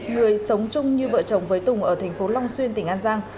người sống chung như vợ chồng với tùng ở tp long xuyên tỉnh an giang